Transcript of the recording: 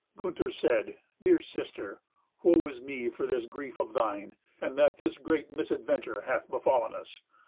Gunther said, "Dear sister, woe is me for this grief of thine, and that this great misadventure hath befallen us.